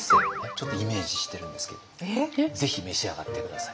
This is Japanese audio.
ちょっとイメージしてるんですけどぜひ召し上がって下さい。